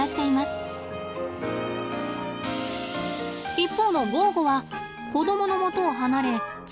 一方のゴーゴは子どものもとを離れ次のコンカツへ。